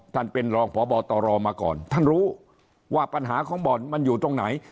ท่านเป็นรองพบตรมาก่อนท่านรู้ว่าปัญหาของบ่อนมันอยู่ตรงไหน